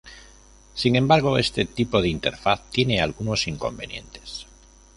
Sin embargo, este tipo de interfaz tiene algunos inconvenientes.